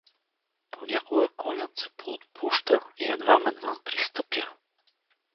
Покякога конят се поотпуща и едвам-едвам пристъпя.